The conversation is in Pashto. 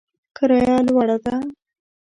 کرایه لوړه ده